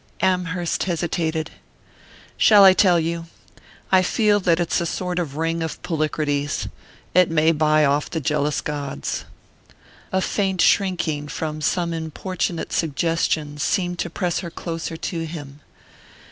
Amherst hesitated. "Shall I tell you? I feel that it's a sort of ring of Polycrates. It may buy off the jealous gods." A faint shrinking from some importunate suggestion seemed to press her closer to him.